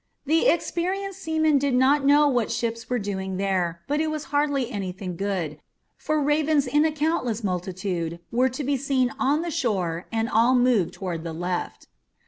The experienced seaman did not know what ships were doing there, but it was hardly anything good; for ravens in a countless multitude were to be seen on the shore and all moved toward the left.